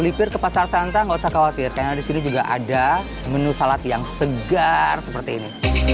ketika kita ke pasar tidak perlu khawatir karena disini juga ada menu salad yang segar seperti ini